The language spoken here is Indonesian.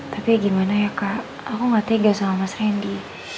tapi ya gimana ya kak aku gak tega sama mas randy